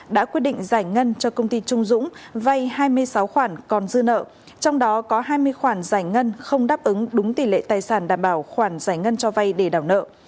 đã quyết định giải ngân cho công ty trung dũng vay hai mươi sáu khoản còn dư nợ trong đó có hai mươi khoản giải ngân không đáp ứng đúng tỷ lệ tài sản đảm bảo khoản giải ngân cho vay để đảo nợ